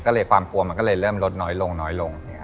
ก็เลยความกลัวเริ่มลดน้อยลง